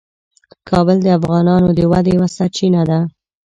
کابل د افغانانو د ودې یوه سرچینه ده.